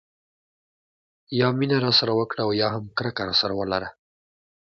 یا مینه راسره وکړه او یا هم کرکه راسره ولره.